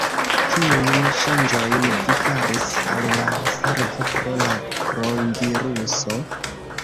Kiujn ŝanĝojn vi faris al la servo pro la kronviruso?